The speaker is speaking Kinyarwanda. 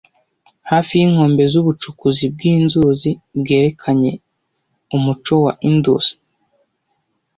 Hafi yinkombe zubucukuzi bwinzuzi bwerekanye umuco wa Indus